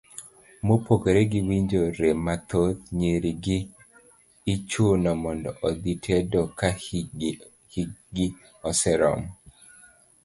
Mopogore gi winjo rem mathoth, nyiri gi ichuno mondo odhi tedo ka hikgi oseromo.